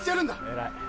偉い。